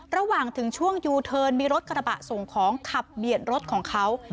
ระหว่างถึงช่วงยูเทิร์นมีรถกระบะส่งของขับเบียดรถของเขา